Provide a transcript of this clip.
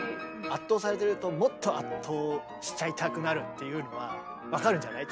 圧倒されてるともっと圧倒しちゃいたくなるっていうのは分かるんじゃない？